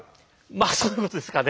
まあそういうことですかね。